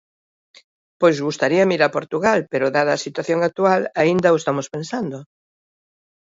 Pois gustaríame ir a Portugal pero dada a situación actual aínda o estamos pensando.